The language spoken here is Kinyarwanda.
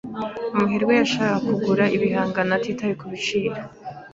Umuherwe yashakaga kugura igihangano atitaye kubiciro.